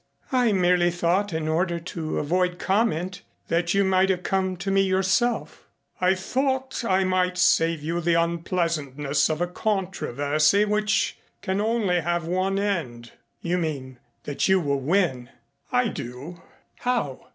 I merely thought in order to avoid comment that you might have come to me yourself." "I thought I might save you the unpleasantness of a controversy which can only have one end." "You mean that you will win." "I do." "How?"